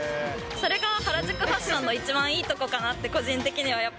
それが原宿ファッションの一番いいところかなって、個人的にはや